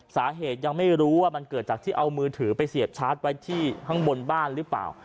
สาเหตุยังไม่รู้ว่ามันเกิดจากที่เอามือถือไปเสียบชาร์จไว้ที่ข้างบนบ้านหรือเปล่า